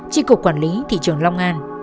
chi cục quản lý thị trường long an